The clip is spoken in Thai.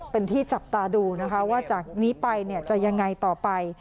เป็นที่จับตาดูนะคะว่าจากนี้ไปจะยังไงต่อไป